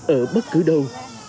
ở bất cứ đâu